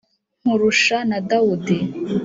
Nkurusha na Daudi,